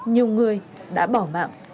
nhiều người đã bỏ mạng